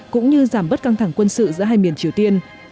cũng như giảm bớt căng thẳng quân sự giữa hai miền triều tiên